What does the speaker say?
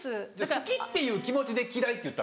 好きっていう気持ちで「嫌い」って言ったの？